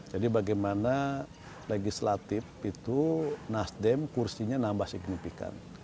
jadi bagaimana legislatif itu nasdem kursinya nambah signifikan